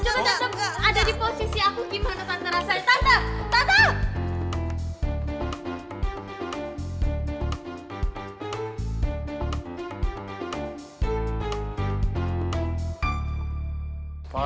coba tante ada di posisi aku gimana tante rasanya